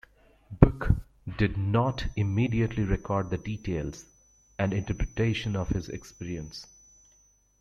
Bucke did not immediately record the details and interpretation of his experience.